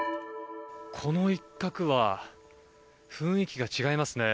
この一角は雰囲気が違いますね。